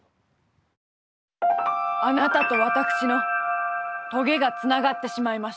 あなたと私の棘がつながってしまいました。